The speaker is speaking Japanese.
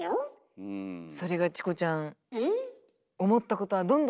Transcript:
それがチコちゃん。